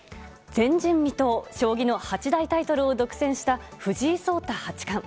前人未到将棋の八大タイトルを独占した藤井聡太八冠。